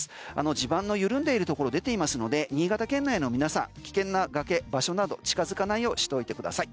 地盤の緩んでいるところ出ていますので新潟県内の皆さん危険な崖、場所など近づかないようしてください。